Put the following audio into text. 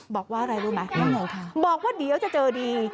บอกว่าอะไรรู้ไหมว่าไงคะบอกว่าเดี๋ยวจะเจอดี